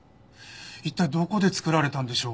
一体どこで作られたんでしょう？